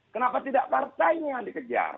kenapa tidak partainya yang dikejar